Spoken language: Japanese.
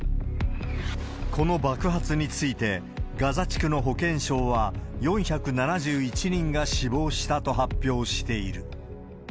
この爆発について、ガザ地区の保健省は４７１人が死亡したと発表している。